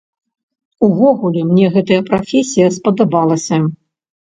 Увогуле, мне гэтая прафесія спадабалася.